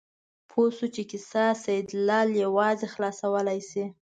پوه شو چې کیسه سیدلال یوازې خلاصولی شي.